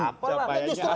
capainya apa juga ya